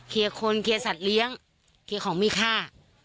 คนเคลียร์สัตว์เลี้ยงเคลียร์ของมีค่า